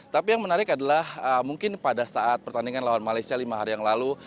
tapi yang menarik adalah mungkin pada saat pertandingan lawan malaysia lima hari yang lalu